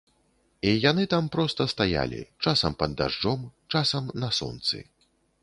І яны там проста стаялі, часам пад дажджом, часам на сонцы.